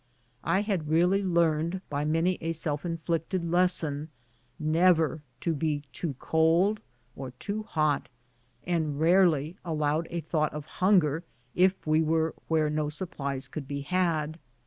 I had really learned, by many a self inflicted lesson, never to be too cold or too hot, and rarely allowed a thought of hunger if we were where no supplies could be had.